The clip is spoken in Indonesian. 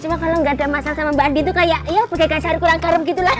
cuma kalo gak ada masalah sama mbak adi tuh kayak yaa bagaikan saru kurang karam gitu lah